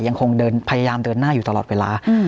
ยังคงเดินพยายามเดินหน้าอยู่ตลอดเวลา